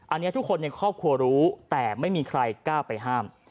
อันนี้ทุกคนในครอบครัวรู้แต่ไม่มีใครกล้าไปห้าม